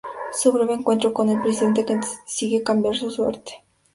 Su breve encuentro con el Presidente consigue cambiar su suerte.